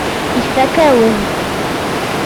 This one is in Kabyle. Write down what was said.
Ifakk-awen-t.